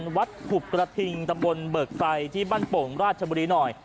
โรงเรียนวัดขุบกระถิ่งตะบนเบิกไฟที่บรรโปรงราชบุรีน้อย